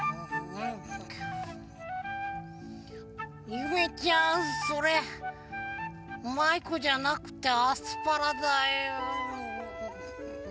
ゆめちゃんそれマイクじゃなくてアスパラだよ。